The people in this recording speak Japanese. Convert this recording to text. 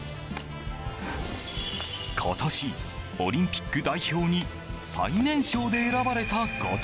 今年、オリンピック代表に最年少で選ばれた後藤。